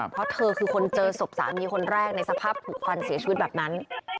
เพราะเธอคือคนเจอศพสามีคนแรกในสภาพถูกฟันเสียชีวิตแบบนั้น